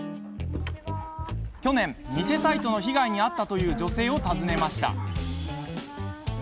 去年、偽サイトの被害に遭ったという女性を訪ねました。